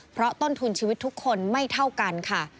เพราะต้นทุนชีวิตทุกคนไม่เท่ากันค่ะ